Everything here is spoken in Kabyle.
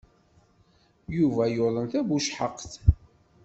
Yuba yuḍen tabucehhaqt.